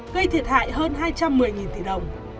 gây thiệt hại hơn hai trăm một mươi tỷ đồng